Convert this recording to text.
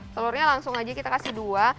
telurnya langsung aja kita kasih dua